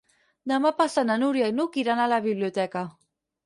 Demà passat na Núria i n'Hug iran a la biblioteca.